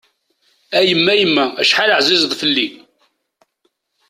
A yemma yemma, acḥal ɛzizeḍ fell-i.